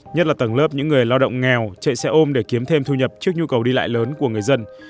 nhất là tầng lớp những người lao động nghèo chạy xe ôm để kiếm thêm thu nhập trước nhu cầu đi lại lớn của người dân